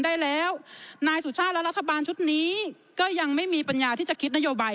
ได้แล้วนายสุชาติและรัฐบาลชุดนี้ก็ยังไม่มีปัญญาที่จะคิดนโยบาย